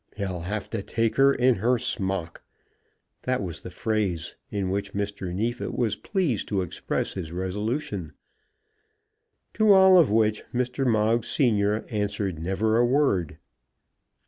"He'll have to take her in her smock." That was the phrase in which Mr. Neefit was pleased to express his resolution. To all of which Mr. Moggs senior answered never a word.